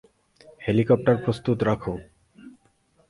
Helicopter প্রস্তুত রাখো।